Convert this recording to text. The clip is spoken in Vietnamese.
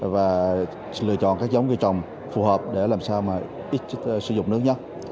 và lựa chọn các giống cây trồng phù hợp để làm sao mà ít sử dụng nước nhất